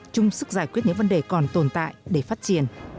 chung sức giải quyết những vấn đề còn tồn tại để phát triển